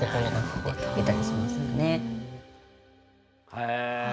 へえ。